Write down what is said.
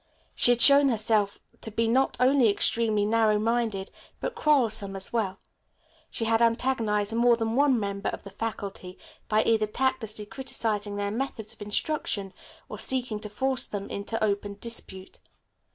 She had shown herself to be not only extremely narrow minded, but quarrelsome as well. She had antagonized more than one member of the faculty by either tactlessly criticising their methods of instruction, or seeking to force them into open dispute.